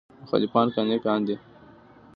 مخالفان قانع کاندي.